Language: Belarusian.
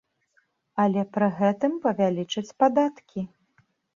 Але пры гэтым павялічаць падаткі.